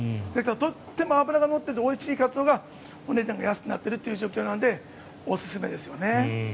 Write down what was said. とても脂が乗っていておいしいカツオがお値段が安くなっているという状況なのでおすすめですよね。